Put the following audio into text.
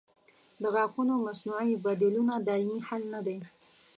د غاښونو مصنوعي بدیلونه دایمي حل نه دی.